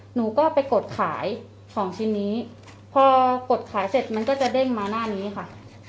หนูก็ไปกดขายของชิ้นนี้พอกดขายเสร็จมันก็จะเด้งมาหน้านี้ค่ะ